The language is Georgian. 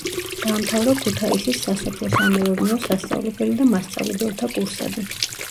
დაამთავრა ქუთაისის სასოფლო-სამეურნეო სასწავლებელი და მასწავლებელთა კურსები.